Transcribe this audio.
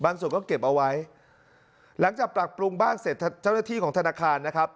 ก็เก็บเอาไว้หลังจากปรับปรุงบ้านเสร็จเจ้าหน้าที่ของธนาคารนะครับ